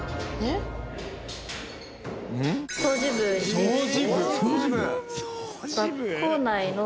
掃除部？